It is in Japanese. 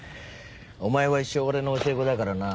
お前は一生俺の教え子だからな。